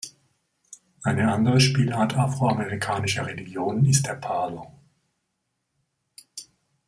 Eine andere Spielart afroamerikanischer Religionen ist der Palo.